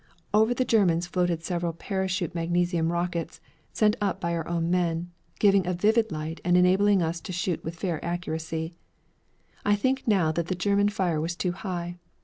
Over the Germans floated several parachute magnesium rockets, sent up by our own men, giving a vivid light and enabling us to shoot with fair accuracy. I think now that the German fire was too high.